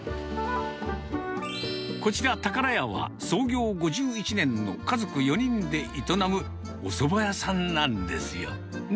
こちら、たからやは、創業５１年の家族４人で営むおそば屋さんなんですよ。ね？